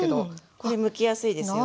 これむきやすいですよね。